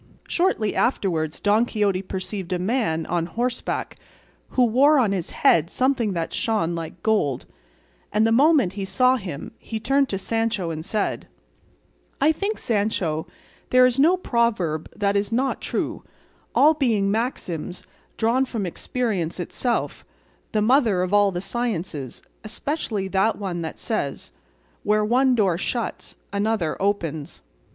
Shortly afterwards Don Quixote perceived a man on horseback who wore on his head something that shone like gold, and the moment he saw him he turned to Sancho and said: "I think, Sancho, there is no proverb that is not true, all being maxims drawn from experience itself, the mother of all the sciences, especially that one that says, 'Where one door shuts, another opens.